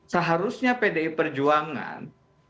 seharusnya pdi perjuangan